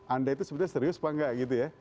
anda itu sebenarnya serius apa enggak gitu ya